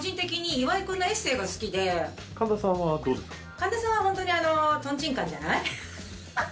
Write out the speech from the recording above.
神田さんはホントにとんちんかんじゃない？